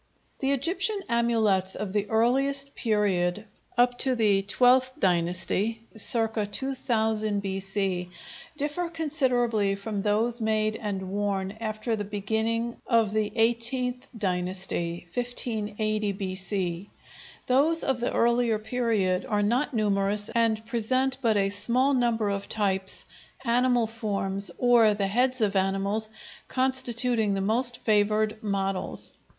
The Egyptian amulets of the earliest period, up to the XII dynasty (circa 2000 B.C.), differ considerably from those made and worn after the beginning of the XVIII dynasty (1580 B.C.). Those of the earlier period are not numerous and present but a small number of types, animal forms or the heads of animals constituting the most favored models.